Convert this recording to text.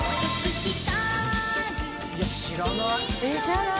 いや、知らない。